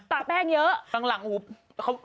แตกแป้งเยอะข้างหลังอู้ว